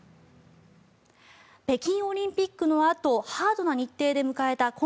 北京オリンピックのあとハードな日程で迎えた